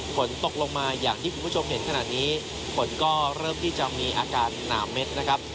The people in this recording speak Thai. ฝนตกลงมาอย่างที่คุณผู้ชมเห็นขนาดนี้ฝนก็เริ่มที่จะมีอาการหนาเม็ดนะครับ